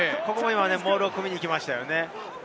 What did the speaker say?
モールを組みに行きました。